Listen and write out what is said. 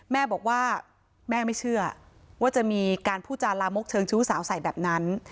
แม่บอกว่าแม่ไม่เชื่อว่าจะมีการพูดจาลามกเชิงชู้สาวใส่แบบนั้น